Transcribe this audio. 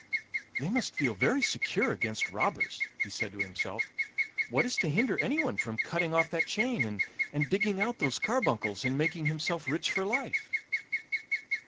"They must feel very secure against robbers," he said to himself. "What is to hinder anyone from cutting off that chain and digging out those carbuncles, and making himself rich for life?"